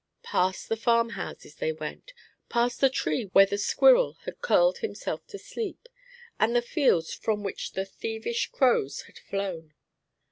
Past the farmhouses they went, past the tree where the squirrel had curled himself to sleep, and the fields from which the thievish crows had flown.